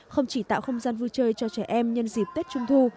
không chỉ tạo không gian vui chơi cho trẻ em nhân dịp tết trung thu